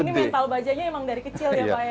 ini mental bajanya emang dari kecil ya pak ya